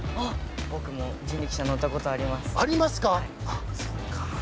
僕も人力車に乗ったことがあります。